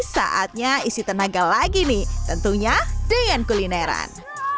saatnya isi tenaga lagi nih tentunya dengan kulineran